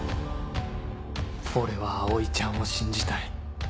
俺は葵ちゃんを信じたい